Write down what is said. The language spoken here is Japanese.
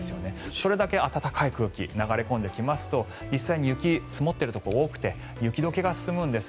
それだけ暖かい空気が流れ込んできますと実際に雪が積もっているところが多くて雪解けが進むんです。